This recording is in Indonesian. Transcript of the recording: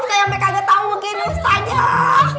kayak mereka gak tau begini ustazah